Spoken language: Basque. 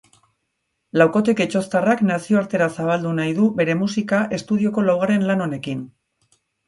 Laukote getxoztarrak nazioartera zabaldu nahi du bere musika estudioko laugarren lan honekin.